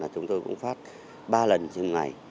chúng tôi cũng phát ba lần chừng ngày